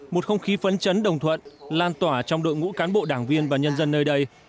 một không khí phấn chấn đồng thuận lan tỏa trong đội ngũ cán bộ đảng viên và nhân dân nơi đây